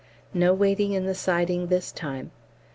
No waiting in the siding this time.